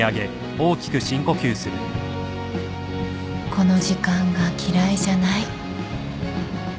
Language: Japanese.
この時間が嫌いじゃない